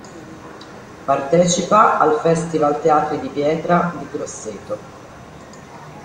Partecipa al Festival Teatri di Pietra di Grosseto.